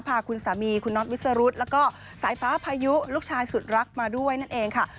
พาคุณสามีคุณน็อตวิสรุธแล้วก็สายฟ้าพายุลูกชายสุดรักมาด้วยนั่นเองค่ะ